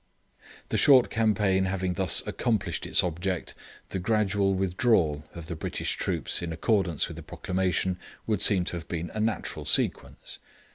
The short campaign having thus accomplished its object, the gradual withdrawal of the British troops in accordance with the proclamation would seem to have been a natural sequence.